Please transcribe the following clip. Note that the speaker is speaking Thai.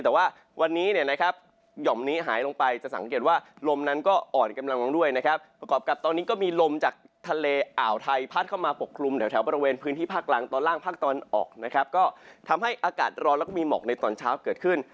แต่ว่าวันนี้เนี่ยนะครับหย่อมนี้หายลงไปจะสังเกตว่าลมนั้นก็อ่อนกำลังลงด้วยนะครับประกอบกับตอนนี้ก็มีลมจากทะเลอ่าวไทยพัดเข้ามาปกคลุมแถวบริเวณพื้นที่ภาคกลางตอนล่างภาคตะวันออกนะครับก็ทำให้อากาศร้อนแล้วก็มีหมอกในตอนเช้าเกิดขึ้น